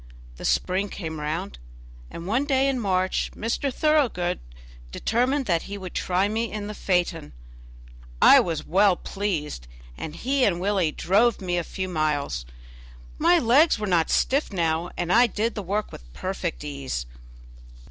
The spring came round, and one day in March Mr. Thoroughgood determined that he would try me in the phaeton. I was well pleased, and he and Willie drove me a few miles. My legs were not stiff now, and I did the work with perfect ease.